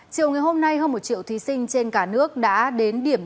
chiều ngày hôm nay hơn một triệu thí sinh trên cả nước đã đến điểm